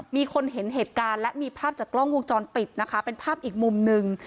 มีคนเห็นเหตุการณ์และมีภาพจากกล้องวงจรปิดนะคะเป็นภาพอีกมุมหนึ่ง